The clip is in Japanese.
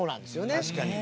確かに。